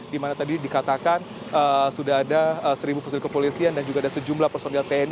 di mana tadi dikatakan sudah ada seribu personil kepolisian dan juga ada sejumlah personil tni